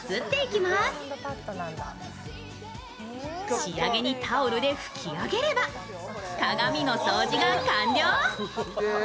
仕上げにタオルで拭けば鏡の掃除が完了。